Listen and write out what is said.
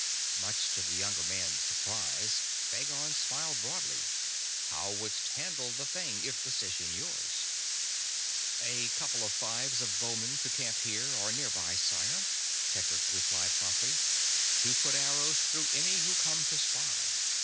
Much to the young man's surprise, Phagon smiled broadly. "How wouldst handle the thing, if decision yours?" "A couple of fives of bowmen to camp here or nearby, sire," Tedric replied promptly, "to put arrows through any who come to spy."